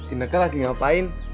ineke lagi ngapain